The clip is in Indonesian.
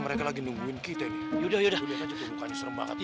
jursi datang untuk membersihkan salah satu